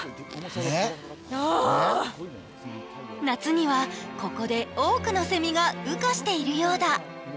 夏には、ここで多くのセミが羽化しているようだ。